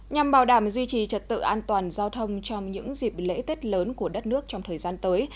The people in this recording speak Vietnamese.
nhằm bảo đảm duy trì trật tự an toàn giao thông trong những dịp lễ tết lớn của đất nước trong thời gian tới